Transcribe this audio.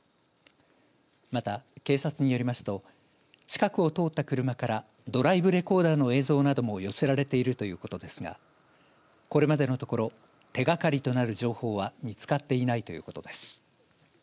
また、警察によりますと近くを通った車からドライブレコーダーの映像なども寄せられているということですがこれまでのところ手がかりとなる情報は見つかっていないということです。